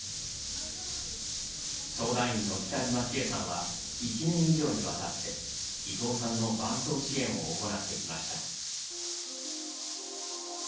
相談員の北島千恵さんは１年以上にわたって伊藤さんの伴走支援を行ってきました。